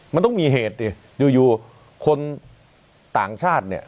มันต้องมีเหตุสิอยู่คนต่างชาติเนี่ย